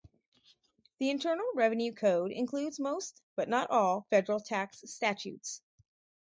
The Internal Revenue Code includes most but not all federal tax statutes.